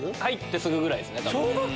入ってすぐぐらいですね。